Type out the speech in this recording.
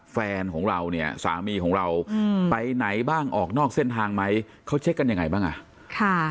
แฟนของเราเนี่ยสามีของเราไปไหนบ้างออกนอกเส้นทางไหมเขาเช็คกันยังไงบ้างอ่ะค่ะ